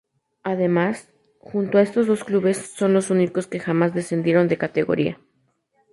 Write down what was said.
Además, junto a estos dos clubes son los únicos que jamás descendieron de categoría.